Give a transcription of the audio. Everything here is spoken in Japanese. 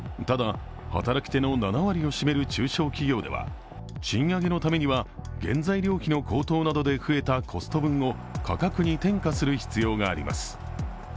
ただ、働き手の７割を占める中小企業では賃上げのためには原材料費の高騰などで増えたコスト分を価格に転嫁する必要があります。